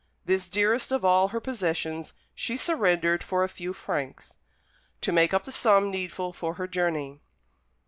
This dearest of all her possessions she surrendered for a few francs, to make up the sum needful for her journey.